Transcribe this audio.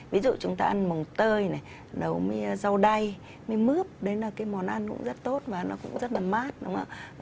ví dụ chúng ta ăn mồng tơi này nấu mì rau đay mì mướp đấy là cái món ăn cũng rất tốt và nó cũng rất là mát đúng không ạ